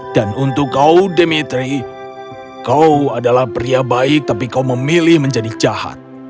dan untuk kau dimitri kau adalah pria baik tapi kau memilih menjadi jahat